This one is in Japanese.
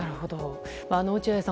落合さん